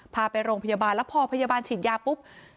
พาไปโรงพยาบาลแล้วพอพยาบาลฉีดยาปุ๊บ